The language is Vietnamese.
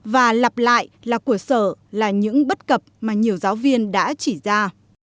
và lặp lại là của sở là những bất cập mà nhiều giáo viên đã chỉ ra